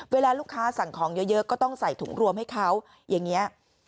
เวลาลูกค้าสั่งของเยอะก็ต้องใส่ถุงรวมให้เขาอย่างนี้